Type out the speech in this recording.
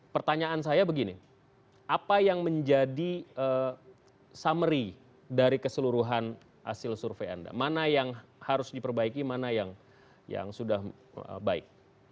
pertanyaan saya begini apa yang menjadi summary dari keseluruhan hasil survei anda mana yang harus diperbaiki mana yang sudah baik